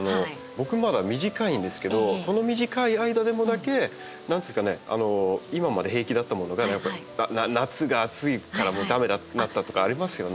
僕まだ短いんですけどこの短い間でも何ていうんですかね今まで平気だったものが夏が暑いからもう駄目になったとかありますよね。